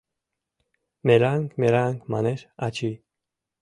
— Мераҥ, мераҥ, — манеш ачий.